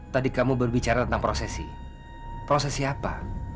tadi kamu berbicara tentang prosesi prosesi apa